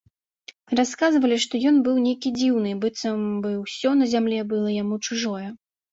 Расказвалі, што ён быў нейкі дзіўны, быццам бы ўсё на зямлі было яму чужое.